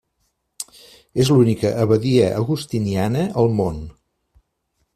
És l'única abadia agustiniana al món.